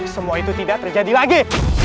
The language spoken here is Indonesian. semua itu tidak terjadi lagi